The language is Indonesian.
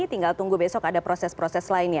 tinggal tunggu besok ada proses proses lainnya